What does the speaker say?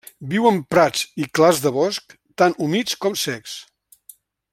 Viu en prats i clars de bosc, tant humits com secs.